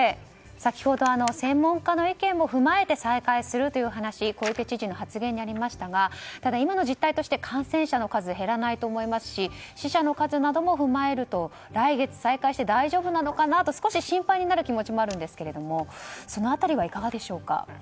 先ほど、専門家の意見も踏まえて再開するという話小池知事の発言にありましたがただ、今の実態として感染者の数は減らないと思いますし死者の数なども踏まえると来月再開して大丈夫なのかなと少し心配になる気持ちもあるんですけどその辺りはいかがでしょうか？